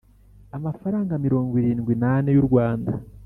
Amafaranga mirongo irindwi n’ ane y’ u Rwanda